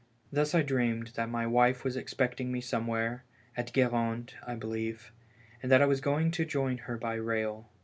Thus I dreamed that my wife was expecting me some where — at Guerande, I believe — and that I was going to join her by rail.